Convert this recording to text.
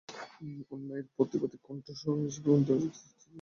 অন্যায়ের প্রতিবাদী কণ্ঠ হিসেবে আন্তর্জাতিক খ্যাতি রয়েছে তাঁর স্ত্রী রিজওয়ানা হাসানের।